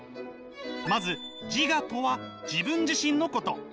まず自我とは自分自身のこと！